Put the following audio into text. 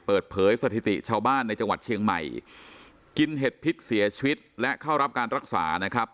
เปิดเผยสถิติชาวบ้านในจังหวัดเชียงใหม่กินเห็ดพิษเสียชีวิตและเข้ารับการรักษานะครับ